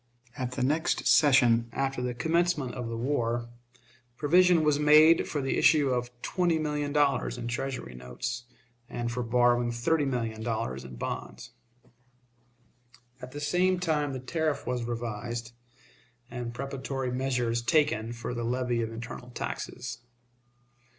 At the next session, after the commencement of the war, provision was made for the issue of twenty million dollars in Treasury notes, and for borrowing thirty million dollars in bonds. At the same time the tariff was revised, and preparatory measures taken for the levy of internal taxes.